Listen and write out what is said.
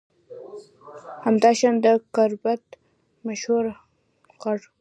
همداشان د گربت مشهور غر